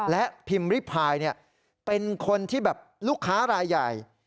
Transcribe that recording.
และพิมพ์ริพายเป็นคนที่แบบลูกค้ารายใหญ่